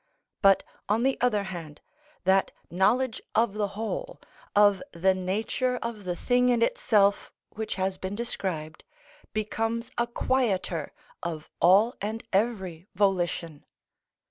But, on the other hand, that knowledge of the whole, of the nature of the thing in itself which has been described, becomes a quieter of all and every volition.